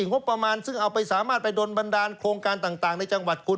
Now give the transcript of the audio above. งบประมาณซึ่งเอาไปสามารถไปโดนบันดาลโครงการต่างในจังหวัดคุณ